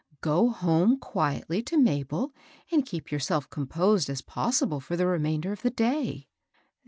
Go home qui etly to Mabd, and keep yourself composed as possible for the remainder of the day.